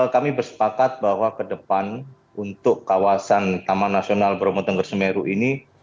kami bersepakat bahwa ke depan untuk kawasan taman nasional bromo tengger semeru ini